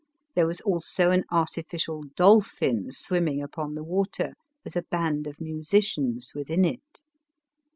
There was also an artificial dolphin swimming upon the water, with a band of musicians within it.